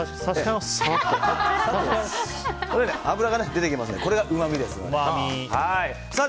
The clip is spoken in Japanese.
脂が出てきますのでこれがうまみですので。